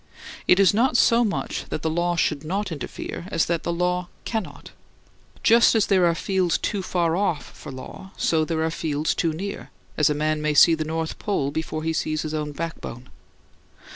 It is not so much that the law should not interfere, as that the law cannot. Just as there are fields too far off for law, so there are fields too near; as a man may see the North Pole before he sees his own backbone.